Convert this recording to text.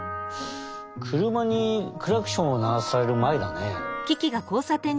くるまにクラクションをならされるまえだね。